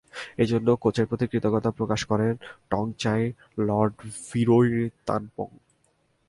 এ জন্য কোচের প্রতি কৃতজ্ঞতা প্রকাশ করেন টংচাই লর্টভিরৈরতানপং।